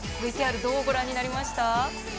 ＶＴＲどうご覧になりました？